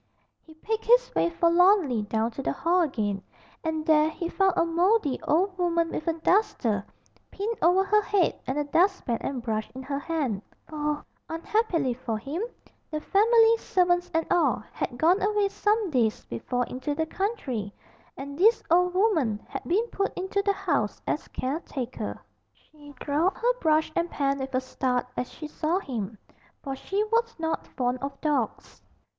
He picked his way forlornly down to the hall again, and there he found a mouldy old woman with a duster pinned over her head and a dustpan and brush in her hand; for, unhappily for him, the family, servants and all, had gone away some days before into the country, and this old woman had been put into the house as caretaker. She dropped her brush and pan with a start as she saw him, for she was not fond of dogs.